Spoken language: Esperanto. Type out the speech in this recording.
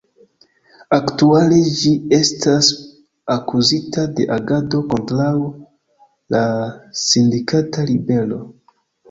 Aktuale ĝi estas akuzita de agado kontraŭ la sindikata libero.